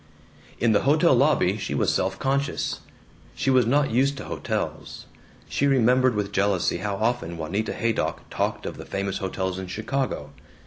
In the hotel lobby she was self conscious. She was not used to hotels; she remembered with jealousy how often Juanita Haydock talked of the famous hotels in Chicago.